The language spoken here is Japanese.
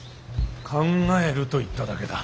考えると言っただけだ。